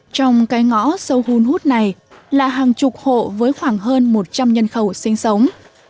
trong cái ngõ sâu hun hút này là hàng chục hộ với khoảng hơn một trăm linh nhân khẩu sinh sống